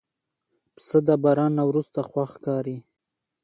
پسه د باران نه وروسته خوښ ښکاري.